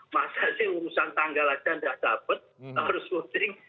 masa sih urusan tanggal aja tidak dapat harus ngurusin